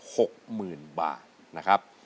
หกหมื่นบาทนะครับ